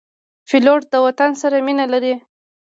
پیلوټ د وطن سره مینه لري.